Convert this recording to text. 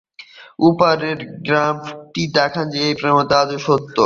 উপরের গ্রাফটি দেখায় যে এই প্রবণতা আজও সত্য।